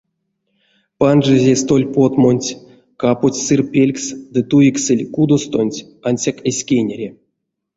Панжизе столь потмонть, каподсь сыр пелькс ды туиксэль кудостонть, ансяк эзь кенере.